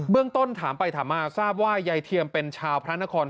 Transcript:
ต้นถามไปถามมาทราบว่ายายเทียมเป็นชาวพระนคร